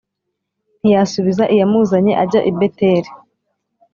ntiyasubiza iyamuzanye ajya i Beteli